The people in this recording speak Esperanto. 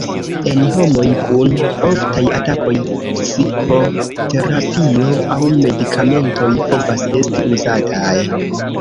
En homoj kun oftaj atakoj, psikoterapio aŭ medikamentoj povas esti uzataj.